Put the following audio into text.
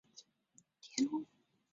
片仓町车站的铁路车站。